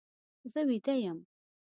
زه ویده یم.